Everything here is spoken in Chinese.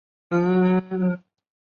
觉罗长麟乙未科进士。